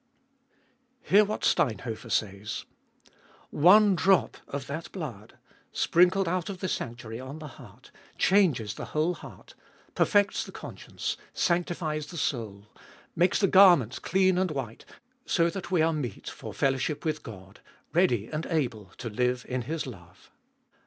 1. Hear what Slelnhofer says: "One drop of that blood, sprinkled out of the sanctuary on the heart, changes the whole heart, perfects the conscience, sanctifies the soul, mattes the garments clean and white, so that we are meet for fellowship with God, ready and able to Hue in His hue.